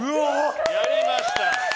やりました。